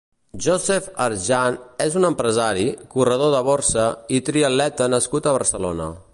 Josef Ajram és un empresari, corredor de borsa i triatleta nascut a Barcelona.